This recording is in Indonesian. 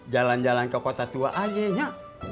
jalan jalan ke kota tua ag nya